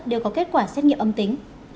đều có kết quả xét nghiệm âm tính